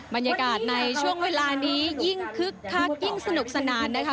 บรรยากาศในช่วงเวลานี้ยิ่งคึกคักยิ่งสนุกสนานนะคะ